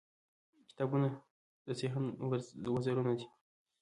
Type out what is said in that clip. • کتابونه د ذهن وزرونه دي.